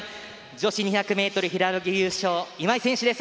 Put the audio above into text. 女子２００ｍ平泳ぎ優勝今井月選手です。